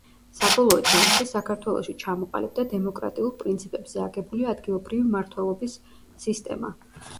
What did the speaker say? საბოლოო ჯამში, საქართველოში ჩამოყალიბდა დემოკრატიულ პრინციპებზე აგებული ადგილობრივი მართველობის სისტემა.